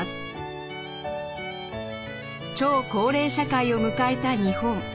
超高齢社会を迎えた日本。